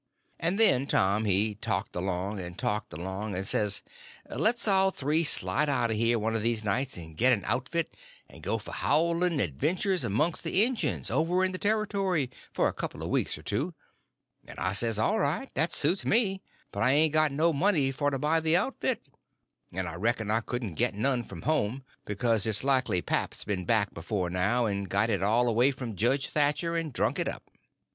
And then Tom he talked along and talked along, and says, le's all three slide out of here one of these nights and get an outfit, and go for howling adventures amongst the Injuns, over in the Territory, for a couple of weeks or two; and I says, all right, that suits me, but I ain't got no money for to buy the outfit, and I reckon I couldn't get none from home, because it's likely pap's been back before now, and got it all away from Judge Thatcher and drunk it up.